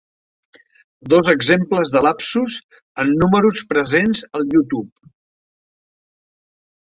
Dos exemples de lapsus en números presents al YouTube.